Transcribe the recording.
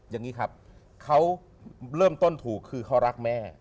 อย่างนี้ครับเขาเริ่มต้นถูกคือเขารักแม่